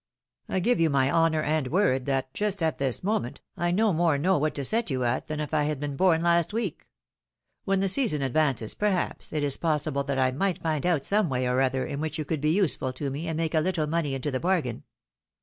I give you my honour and word that, just at this moment, I no more know what to set you at than if I had been born last week. When the season advances, perhaps, it is possible that I might find out some way or other in which you could be useful to me and make a little money into the bargain."